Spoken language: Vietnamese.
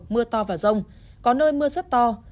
mưa to và rông có nơi mưa rất to